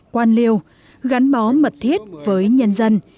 quan liêu gắn mó mật thiết với nhân dân